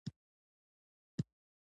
احمدشاه بابا د شجاعت سمبول و.